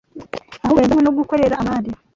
ahubwo yazanywe no gukorera abandi